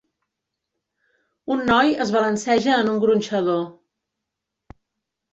un noi es balanceja en un gronxador.